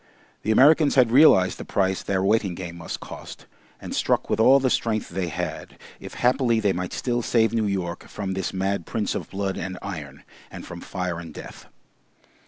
The Americans had realised the price their waiting game must cost, and struck with all the strength they had, if haply they might still save New York from this mad Prince of Blood and Iron, and from fire and death.